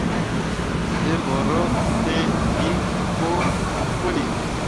Dǝ mbǝro be gii ɓo puli.